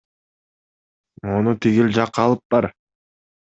Муну тигил жакка алып бар!